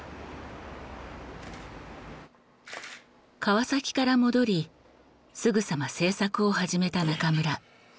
川崎から戻りすぐさま制作を始めた中村。